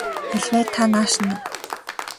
Аль вэ та нааш нь өг.